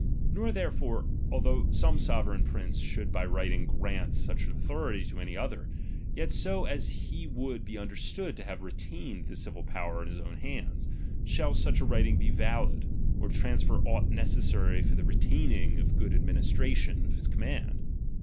Nor therefore, although some sovereign prince should by writing grant such an authority to any other, yet so as he would be understood to have retained the civil power in his own hands, shall such a writing be valid, or transfer aught neces sary for the retaining or good administration of his command.